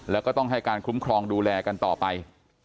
แล้วก็ต้องให้การคุ้มครองดูแลกันต่อไป